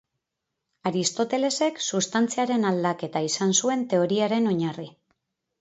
Aristotelesek substantziaren aldaketa izan zuen teoriaren oinarri.